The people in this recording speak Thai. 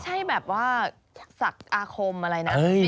ใช่แบบว่าศักดิ์อาคมอะไรนะ